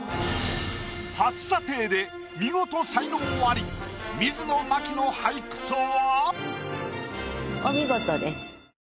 初査定で見事才能アリ水野真紀の俳句とは？